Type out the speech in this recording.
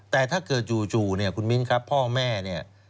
แต่ถ้าเกิดจู่เนี่ยคุณมิ้นครับพ่อแม่เนี่ย